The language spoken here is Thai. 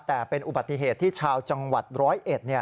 แต่เป็นอุบัติเหตุที่ชาวจังหวัดร้อยเอ็ด